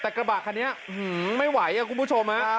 แต่กระบ่าคันนี้หือไม่ไหวคุณผู้ชม